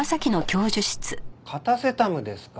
カタセタムですか。